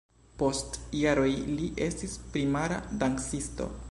Post jaroj li estis primara dancisto.